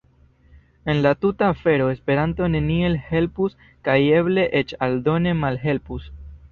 En la tuta afero Esperanto neniel helpus kaj eble eĉ aldone malhelpus.